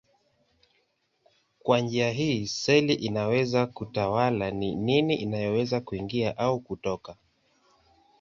Kwa njia hii seli inaweza kutawala ni nini inayoweza kuingia au kutoka.